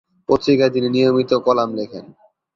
পত্রিকায় তিনি নিয়মিত কলাম লেখেন।